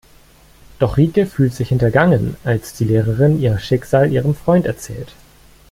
Doch Rieke fühlt sich hintergangen, als die Lehrerin ihr Schicksal ihrem Freund erzählt.